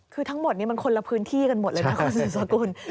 คือทั้งหมดนี้มันคนละพื้นที่กันหมดเลยนะคุณสืบสกุล